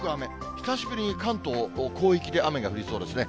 久しぶりに関東広域で雨が降りそうですね。